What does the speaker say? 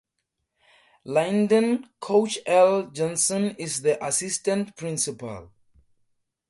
Lyndon "Coach L" Johnson is the Assistant Principal.